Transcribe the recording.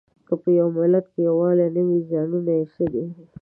که په یوه ملت کې یووالی نه وي زیانونه یې څه دي؟